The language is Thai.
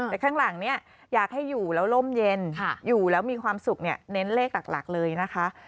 แต่ข้างหลังเนี่ยอยากให้อยู่แล้วร่มเย็นอยู่แล้วมีความสุขเนี่ยเน้นเลขหลักเลยนะคะ